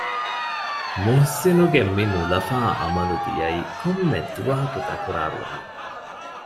މުހްސިނުގެ މިނުލަފާ އަމަލު ދިޔައީ ކޮންމެ ދުވަހަކު ތަކުރާރު ވަމުން